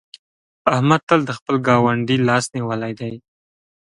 احمد تل د خپل ګاونډي لاس نيولی دی.